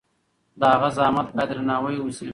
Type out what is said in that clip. د هغه زحمت باید درناوی شي.